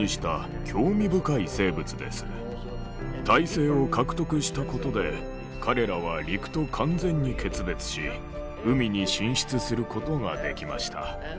胎生を獲得したことで彼らは陸と完全に決別し海に進出することができました。